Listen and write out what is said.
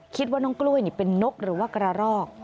คิดว่าน้องกล้วยเป็นนกหรือว่ากระรอก